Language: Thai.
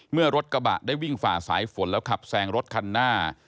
เมื่อรถกระบะได้วิ่งฝ่าสายฝนแล้วขับแซงรถคันหน้า